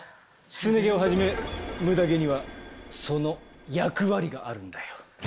すね毛をはじめムダ毛にはその役割があるんだよ。